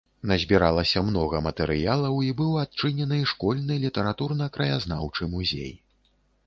Назбіралася многа матэрыялаў і быў адчынены школьны літаратурна-краязнаўчы музей.